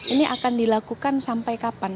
ini akan dilakukan sampai kapan